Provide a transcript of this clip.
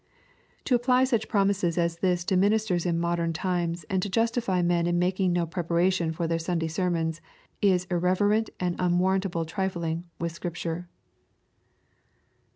To apply such promises as this to ministers in modern times, and to justify mon in making no preparation for their Sunday ser mons, is irreverent and unwarrantable trifling with Scriptur*